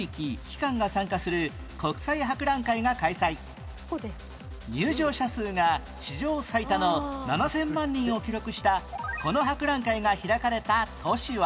１１年前入場者数が史上最多の７０００万人を記録したこの博覧会が開かれた都市は？